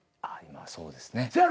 ああそうですね。